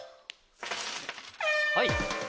はい！